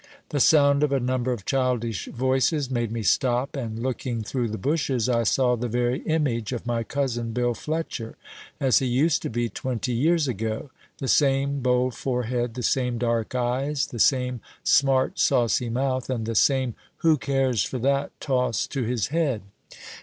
The sound of a number of childish voices made me stop, and, looking through the bushes, I saw the very image of my cousin Bill Fletcher, as he used to be twenty years ago; the same bold forehead, the same dark eyes, the same smart, saucy mouth, and the same "who cares for that" toss to his head.